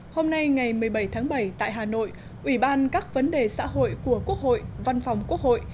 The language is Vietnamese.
hôm nay ngày một mươi bảy tháng bảy tại hà nội ủy ban các vấn đề xã hội của quốc hội văn phòng quốc hội